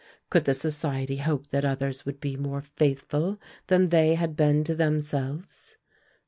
Could the society hope that others would be more faithful than they had been to themselves?